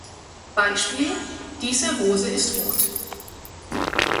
Beispiel: „Diese Rose ist rot.